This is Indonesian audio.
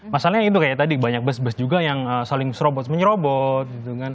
masalahnya itu kayak tadi banyak bus bus juga yang saling serobot menyerobot gitu kan